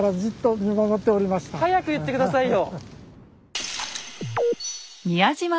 早く言って下さいよ。